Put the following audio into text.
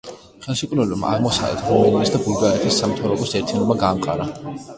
ხელშეკრულებამ აღმოსავლეთ რუმელიის და ბულგარეთის სამთავროს ერთიანობა გაამყარა.